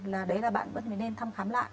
là bạn vẫn nên thăm khám lại